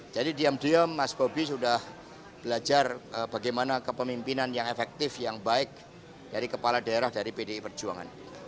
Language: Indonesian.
jadi diam diam mas bobi sudah belajar bagaimana kepemimpinan yang efektif yang baik dari kepala daerah dari pdi perjuangan